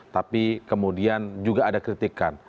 tapi kemudian juga ada kritikan